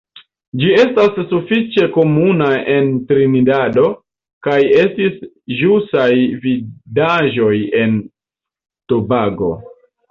Ĝi estas sufiĉe komuna en Trinidado, kaj estis ĵusaj vidaĵoj en Tobago.